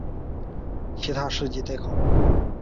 其他事迹待考。